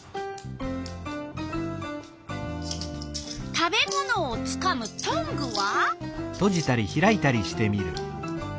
食べ物をつかむトングは？